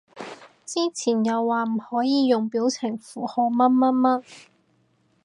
之前又話唔可以用表情符號乜乜乜